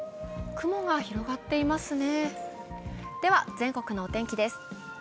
雲が広がっていますね。